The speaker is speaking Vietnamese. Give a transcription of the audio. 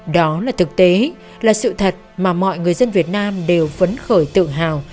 đó là thực tế là sự thật mà mọi người dân việt nam đều phấn khởi tự hào